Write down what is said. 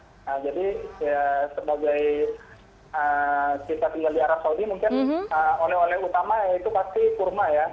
jadi sebagai kita tinggal di arab saudi mungkin oleh oleh utama ya itu pasti kurma ya